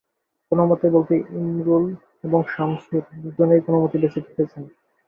কোনো মতে বলতে, ইমরুল এবং শামসুর দুজনেই কোনো মতে বেঁচে ফিরেছেন।